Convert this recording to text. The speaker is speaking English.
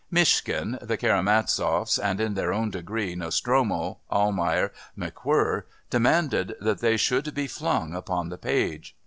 Myshkin, the Karamazovs, and, in their own degree, Nostromo, Almayer, McWhirr, demanded that they should be flung upon the page.